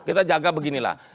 kita jaga beginilah